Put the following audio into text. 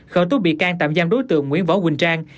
khởi tố bị can tạm giam đối tượng nguyễn võ quỳnh trang